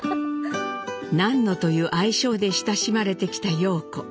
「ナンノ」という愛称で親しまれてきた陽子。